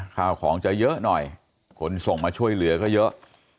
ข้าวของจะเยอะหน่อยคนส่งมาช่วยเหลือก็เยอะ